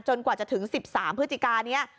กว่าจะถึง๑๓พฤศจิกานี้